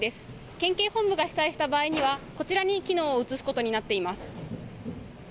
県警本部が被災した場合にはこちらに機能を移すことになっています。